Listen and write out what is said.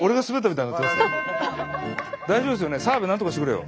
大丈夫ですよね？